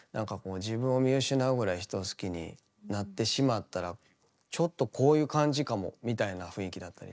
自分を見失うぐらい人を好きになってしまったらちょっとこういう感じかもみたいな雰囲気だったりとか。